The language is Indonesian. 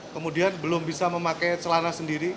kemudian belum bisa memakai celana sendiri